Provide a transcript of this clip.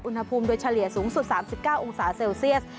อุณหภูมิโดยเฉลี่ยสูงสุด๓๙องศาเซลเซียส